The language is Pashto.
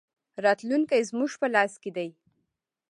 راتلونکی زموږ په لاس کې دی